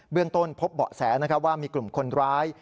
เรื่องต้นพบเบาะแสว่ามีกลุ่มคนร้าย